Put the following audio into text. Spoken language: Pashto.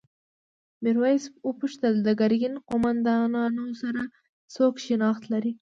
میرويس وپوښتل د ګرګین قوماندانانو سره څوک شناخت لري؟